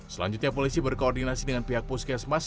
selanjutnya polisi berkoordinasi dengan pihak puskesmas